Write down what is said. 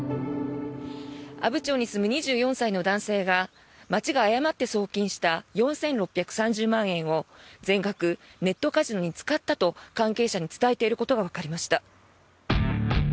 阿武町に住む２４歳の男性が町が誤って送金した４６３０万円を全額ネットカジノに使ったと関係者に伝えていることがわかりました。